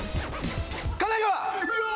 神奈川！